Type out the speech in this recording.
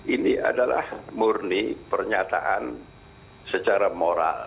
ini adalah murni pernyataan secara moral